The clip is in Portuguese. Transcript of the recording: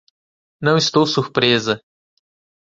Não estou surpresa.